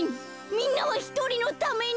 みんなはひとりのために。